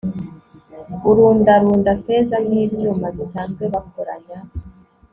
urundarunda feza nk'ibyuma bisanzwe bakoranya